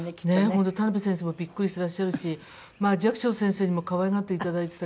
本当田辺先生もビックリしてらっしゃるし寂聴先生にも可愛がっていただいてた。